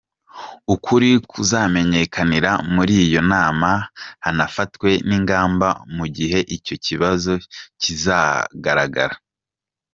Ukuri kuzamenyekanira muri iyo nama hanafatwe n’ingamba, mu gihe icyo kibazo kizagaragara.